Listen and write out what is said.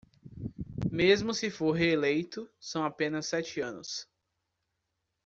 Mesmo se for reeleito, são apenas sete anos.